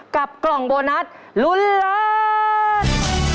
กับกล่องโบนัสลุ้นล้าน